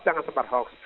jangan sempat hoax